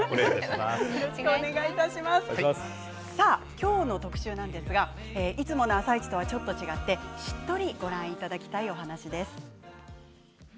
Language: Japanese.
今日の特集はいつもの「あさイチ」とはちょっと違ってしっとりご覧いただきたいお話です。